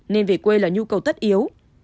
nên về quê là nhu cầu tất yếu